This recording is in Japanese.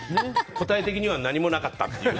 答え的には何もなかったっていう。